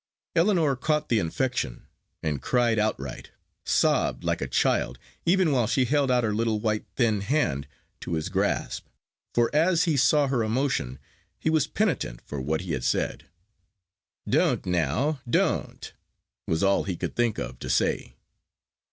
Ellinor caught the infection, and cried outright, sobbed like a child, even while she held out her little white thin hand to his grasp. For as soon as he saw her emotion, he was penitent for what he had said. "Don't now don't," was all he could think of to say.